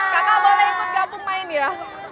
kakak boleh ikut gabung main ya